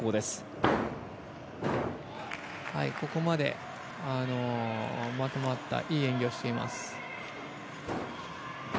ここまで、まとまったいい演技をしています。